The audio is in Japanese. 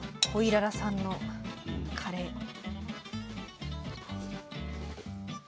コイララさんのカレー。